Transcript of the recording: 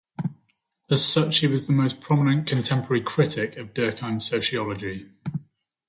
As such he was the most prominent contemporary critic of Durkheim's sociology.